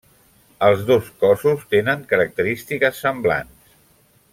Els dos cossos tenen característiques semblants.